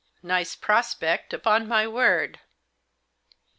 Nice prospect, upon my word.